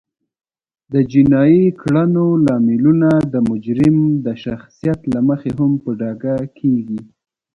د جینایي کړنو لاملونه د مجرم د شخصیت له مخې هم په ډاګه کیږي